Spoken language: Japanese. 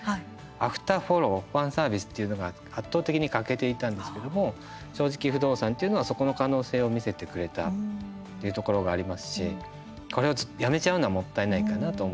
アフターフォローファンサービスっていうのが圧倒的に欠けていたんですけども「正直不動産」っていうのはそこの可能性を見せてくれたというところがありますしこれをやめちゃうのはもったいないかなと思います。